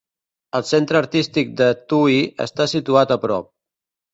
El Centre Artístic Te Tuhi està situat a prop.